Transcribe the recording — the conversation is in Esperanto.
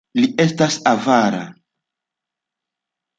Li estas avara!